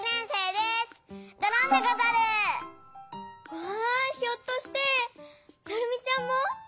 わあひょっとしてナルミちゃんも？